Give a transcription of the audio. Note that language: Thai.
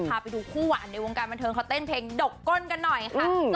พาไปดูคู่หวานในวงการบันเทิงเขาเต้นเพลงดก้นกันหน่อยค่ะ